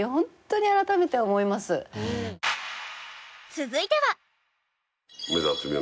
続いては。